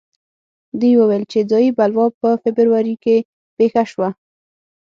دوی وویل چې ځايي بلوا په فبروري کې پېښه شوه.